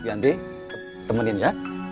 bianti temenin ya